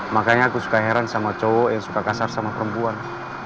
makanya aku suka heran sama cowok yang suka kasar sama perempuan